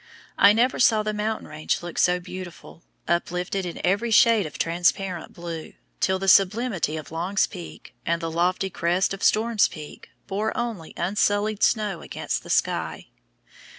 I never saw the mountain range look so beautiful uplifted in every shade of transparent blue, till the sublimity of Long's Peak, and the lofty crest of Storm Peak, bore only unsullied snow against the sky.